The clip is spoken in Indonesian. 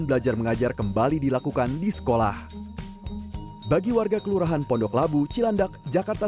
belajar mengajar kembali dilakukan di sekolah bagi warga kelurahan pondok labu cilandak jakarta